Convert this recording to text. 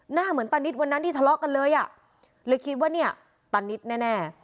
หน้าเหมือนตานิดวันนั้นที่ทะเลาะกันเลยอ่ะเลยคิดว่าเนี่ยตานิดแน่